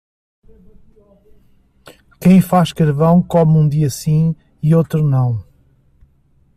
Quem faz carvão come um dia sim e o outro não.